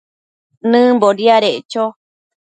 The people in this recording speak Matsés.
nëmbo diadeccho